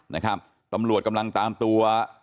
นะครับตำรวจกำลังตามตัว